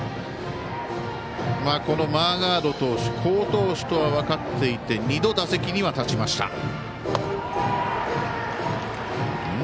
マーガード投手好投手とは分かっていて２度、打席には立ちました。